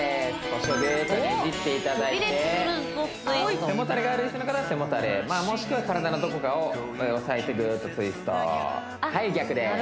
腰をグッとねじっていただいて背もたれがある椅子の方は背もたれもしくは体のどこかを押さえてグッとツイストはい逆です